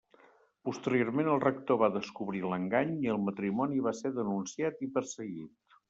Posteriorment el rector va descobrir l'engany i el matrimoni va ser denunciat i perseguit.